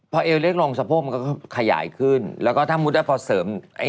พอเอวเล็กลงสะโพกมันก็ขยายขึ้นแล้วถ้าพอเสริม